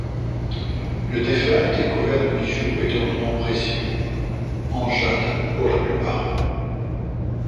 Le défunt était couvert de bijoux et d'ornements précieux, en jade pour la plupart.